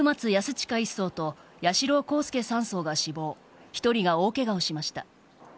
親１曹と八代航佑３曹が死亡１人が大ケガをしました。